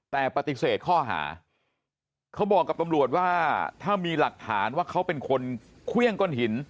แต่ปฏิเสธข้อหาเขาบอกกับตำรวจว่าถ้ามีหลักฐานว่าเขาเป็นคนเครื่องก้อนหิน